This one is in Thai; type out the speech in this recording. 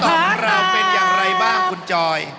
ของเราเป็นอย่างไรบ้างคุณจอย